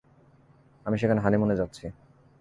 আমি সেখানে হানিমুনে যাচ্ছি!